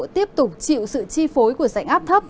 tiếp tục chịu sự chi phối của sảnh áp thấp